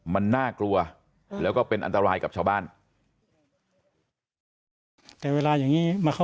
มันน่ากลัวแล้วก็เป็นอันตรายกับชาวบ้าน